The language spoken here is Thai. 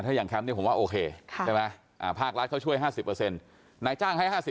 ถ้าอย่างแคมป์นี้ผมว่าโอเคภาครัฐเขาช่วย๕๐ไหนจ้างให้๕๐